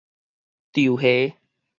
稻蝦